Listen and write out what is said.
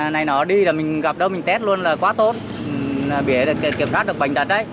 này nó đi là mình gặp đâu mình test luôn là quá tốt kiểm tra được bệnh đặt đấy